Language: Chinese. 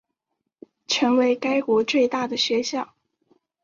成为该国最大的学校。